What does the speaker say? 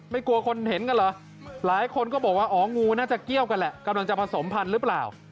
กลัวคนเห็นกันเหรอหลายคนก็บอกว่าอ๋องูน่าจะเกี้ยวกันแหละกำลังจะผสมพันธุ์หรือเปล่า